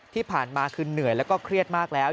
ที่ผ่านมาคือเหนื่อยแล้วก็เครียดมากแล้ว